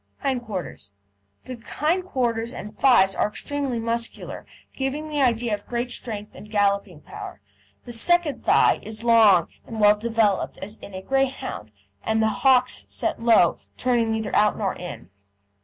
HIND QUARTERS The hind quarters and thighs are extremely muscular, giving the idea of great strength and galloping power. The second thigh is long and well developed as in a Greyhound, and the hocks set low, turning neither out nor in.